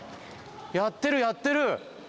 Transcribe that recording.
やってるやってる！